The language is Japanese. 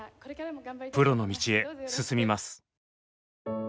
プロの道へ進みます。